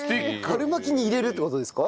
春巻きに入れるって事ですか？